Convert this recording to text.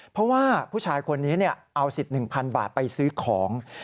เพราะว่าผู้ชายคนนี้เอาสิทธิ์๑๐๐๐บาทไปซื้อของ